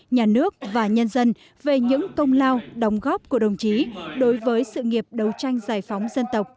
nhà nước và nhân dân về những công lao đóng góp của đồng chí đối với sự nghiệp đấu tranh giải phóng dân tộc